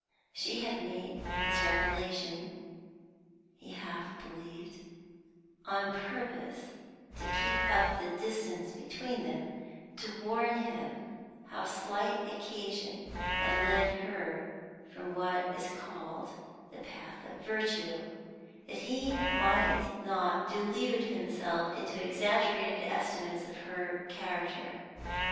She had made this revelation he half believed on purpose to keep up the distance between them, to warn him how slight occasion had led her from what is called the path of virtue, that he might not delude himself into exaggerated estimates of her character.